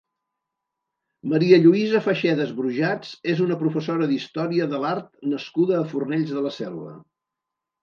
Maria Lluïsa Faxedas Brujats és una professora d'història de l'art nascuda a Fornells de la Selva.